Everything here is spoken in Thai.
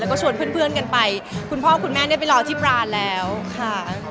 แล้วก็ชวนเพื่อนกันไปคุณพ่อคุณแม่ได้ไปรอที่ร้านแล้วค่ะ